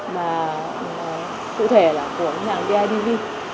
và cụ thể là của ngân hàng bidv